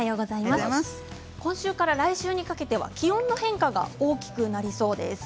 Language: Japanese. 今週から来週にかけては気温の変化が大きくなりそうです。